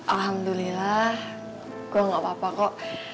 alhamdulillah gue gak apa apa kok